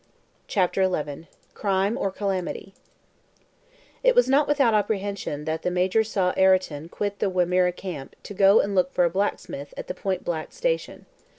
CHAPTER XI CRIME OR CALAMITY IT was not without apprehension that the Major saw Ayrton quit the Wimerra camp to go and look for a blacksmith at the Black Point Station.